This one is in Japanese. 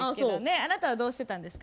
あなたはどうしてたんですか？